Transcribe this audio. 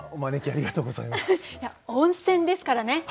いや「温泉」ですからね。